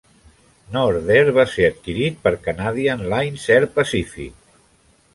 Nordair va ser adquirit per Canadian Lines Air Pacific.